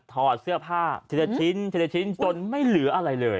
ถอดเสื้อผ้าทีละชิ้นทีละชิ้นจนไม่เหลืออะไรเลย